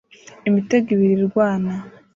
Imitego ibiri irwana